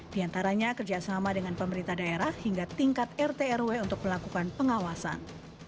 diantaranya kerja sama dengan pemerintah daerah hingga tingkat rt rw untuk melakukan pengawasan